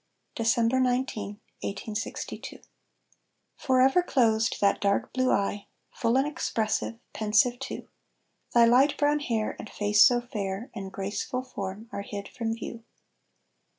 Dec. 19, 1862. Forever closed that dark blue eye, Full and expressive, pensive too; Thy light brown hair, and face so fair, And graceful form are hid from view.